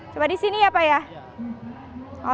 coba di sini ya pak ya